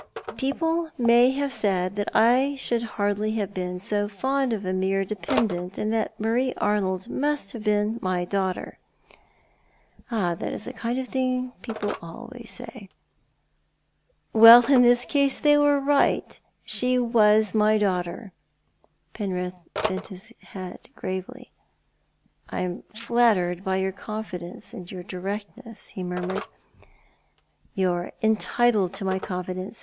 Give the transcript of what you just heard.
" People may have said that I should hardly have been so fond of a mere dependent, and that Marie Arnold must have been my daughter." " That is the kind of thing people always say." " Well, in this case they were right. She was my aaughter." Penrith bent his head gravely. " I am flattered by your confidence, and your du ectness," he murmured. "You are entitled to my confidence.